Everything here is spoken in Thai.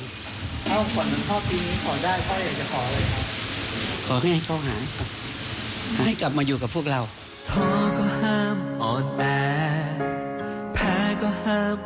ถ้าพ่อมันชอบดีพ่อได้พ่ออยากจะขออะไรครับ